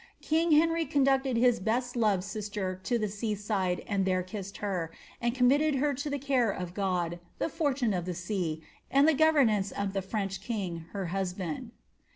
King Henry conducted his best loved sister to the sea side and there kissed her, and committed her to the care of God, the fortune of the sea, and the governance of the French king her husband.'